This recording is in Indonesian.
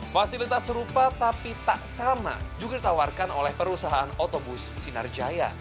fasilitas serupa tapi tak sama juga ditawarkan oleh perusahaan otobus sinarjaya